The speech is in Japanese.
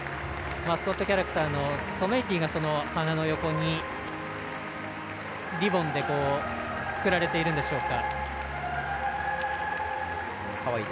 マスコットキャラクターのソメイティが花の横にリボンでくくられているんでしょうか。